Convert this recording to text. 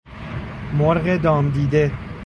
مرغ دام دیده